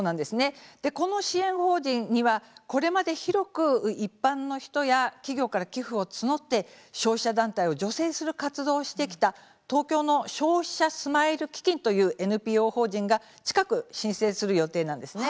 この支援法人にはこれまで広く一般の人や企業から寄付を募って消費者団体を助成する活動をしてきた東京の消費者スマイル基金というＮＰＯ法人が近く申請する予定なんです。